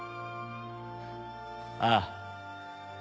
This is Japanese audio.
ああ。